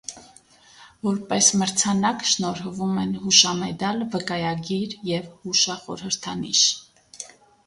Որպես մրցանակ շնորհվում են հուշամեդալ, վկայագիր և հուշախորհրդանիշ։